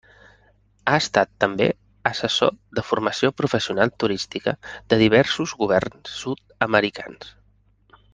Ha estat també assessor de Formació Professional Turística de diversos governs sud-americans.